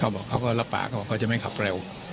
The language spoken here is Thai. แล้วก็เขาก็รับปากเขาจะไม่ขับเร็ว